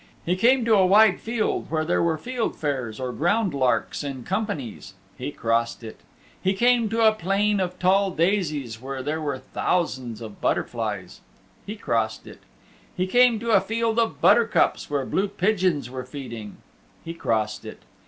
He came to a wide field where there were field fares or ground larks in companies. He crossed it. He came to a plain of tall daisies where there were thousands of butterflies. He crossed it. He came to a field of buttercups where blue pigeons were feeding. He crossed it.